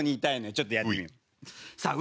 ちょっとやってみよう。